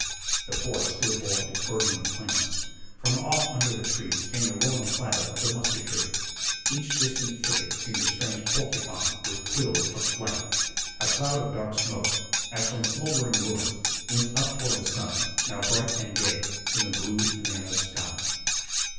The forest still bore its burden of clamor. From off under the trees came the rolling clatter of the musketry. Each distant thicket seemed a strange porcupine with quills of flame. A cloud of dark smoke, as from smoldering ruins, went up toward the sun now bright and gay in the blue, enameled sky.